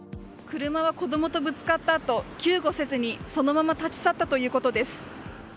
車は子供とぶつかったあと救護せずにそのまま立ち去ったということです。